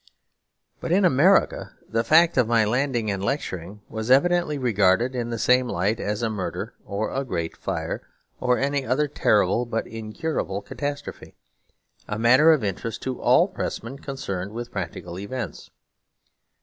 But in America the fact of my landing and lecturing was evidently regarded in the same light as a murder or a great fire, or any other terrible but incurable catastrophe, a matter of interest to all pressmen concerned with practical events.